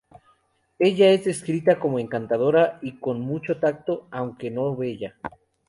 Ella es descrita como encantadora y con mucho tacto, aunque no bella.